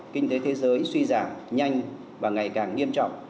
kinh tế thế giới suy giảm nhanh và ngày càng nghiêm trọng